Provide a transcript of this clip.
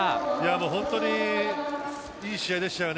本当にいい試合でしたね。